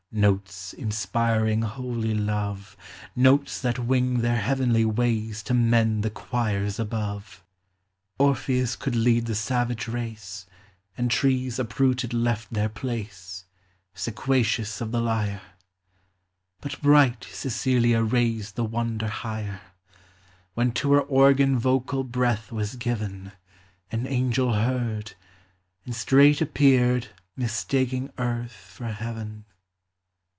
Notes inspiring holy love, Notes that wing their heavenly ways To mend the choirs above. Orpheus could lead the savage race ; And trees uprooted left their place, Sequacious of the lyre ; But bright Cecilia raised the wonder higher ; When to her organ vocal breath was given, An angel heard, and straight appeared Mistaking earth for heaven.